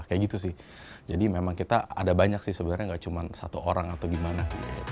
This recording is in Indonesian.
kayak gitu sih jadi memang kita ada banyak sih sebenarnya nggak cuma satu orang atau gimana